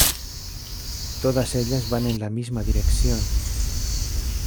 Todas ellas van en la misma dirección.